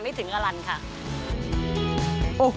มีอย่างไรบ้างครับ